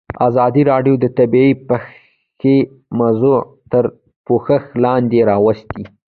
ازادي راډیو د طبیعي پېښې موضوع تر پوښښ لاندې راوستې.